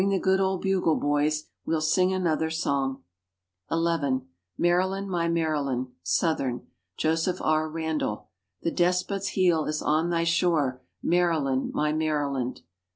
"Bring the good old bugle, boys; we'll sing another song." (11) Maryland, My Maryland (Southern). Joseph R. Randall. "The despot's heel is on thy shore, Maryland, my Maryland."